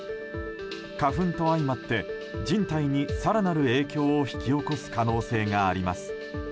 花粉と相まって人体に更なる影響を引き起こす可能性があります。